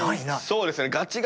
そうですね。